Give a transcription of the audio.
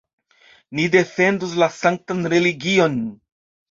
Ni defendos la sanktan religion!